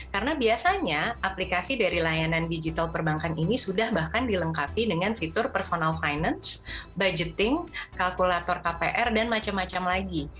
karena biasanya aplikasi dari layanan digital perbankan ini sudah bahkan dilengkapi dengan fitur personal finance budgeting kalkulator kpr dan macam macam lagi